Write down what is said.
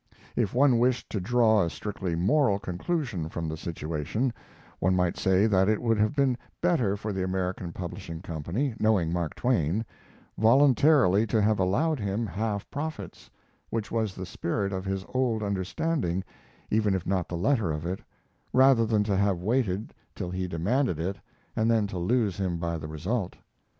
If one wished to draw a strictly moral conclusion from the situation, one might say that it would have been better for the American Publishing Company, knowing Mark Twain, voluntarily to have allowed him half profits, which was the spirit of his old understanding even if not the letter of it, rather than to have waited till he demanded it and then to lose him by the result.